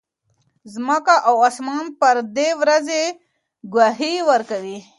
ځمکه او اسمان پر دې ورځې ګواهي ورکوي.